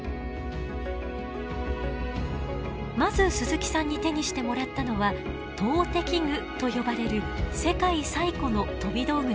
まず鈴木さんに手にしてもらったのは投擲具と呼ばれる世界最古の飛び道具の一つです。